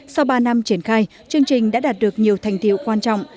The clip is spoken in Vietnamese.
sau ba năm triển khai chương trình đã đạt được nhiều thành tiệu quan trọng